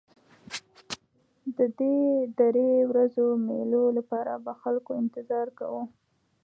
د دې درې ورځو مېلو لپاره به خلکو انتظار کاوه.